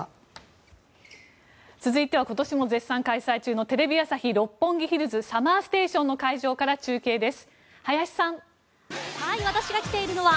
続いては、今年も絶賛開催中の「テレビ朝日・六本木ヒルズＳＵＭＭＥＲＳＴＡＴＩＯＮ」今日は家族でキャンプです。